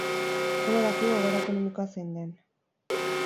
Denok dakigu egoera ekonomikoa zein den.